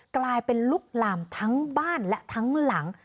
กลายเป็นลุกลามทั้งบ้านและทั้งหลัง